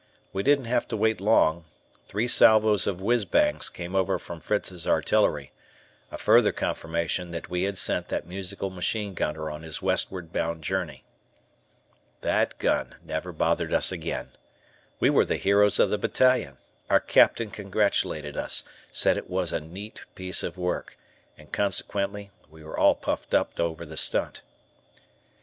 We didn't have to wait long, three salvos of "whizz bangs" came over from Fritz's artillery, a further confirmation that we had sent that musical machine gunner on his westward bound journey. That gun never bothered us again. We were the heroes of the battalion, our Captain congratulated us, said it was a neat piece of work, and, consequently, we were all puffed up over the stunt.